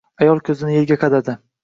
Ayol ko‘zini yerga qadadi